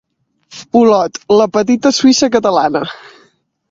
Olot, la petita Suïssa catalana.